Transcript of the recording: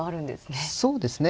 そうですね。